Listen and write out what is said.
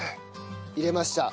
入れました。